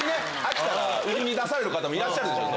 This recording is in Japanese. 飽きたら売りに出される方もいらっしゃる。